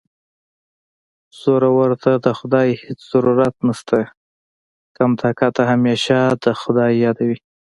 زورور ته د خدای هېڅ ضرورت نشته کم طاقته همېشه خدای یادوي